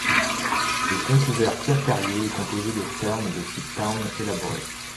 Le pont couvert Pierre-Carrier est composé de fermes de type Town élaboré.